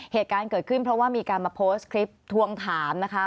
เหตุการณ์เกิดขึ้นเพราะว่ามีการมาโพสต์คลิปทวงถามนะคะ